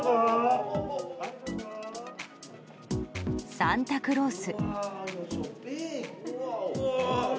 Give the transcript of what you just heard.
サンタクロース。